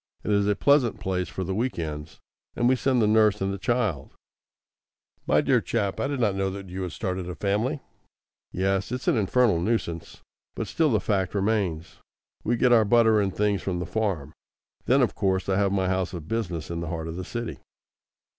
It is a pleasant place for the week ends, and we send the nurse and the child " "My dear chap, I did not know that you had started a family!" "Yes, it's an infernal nuisance; but still the fact remains. We get our butter and things from the farm. Then, of course, I have my house of business in the heart of the city."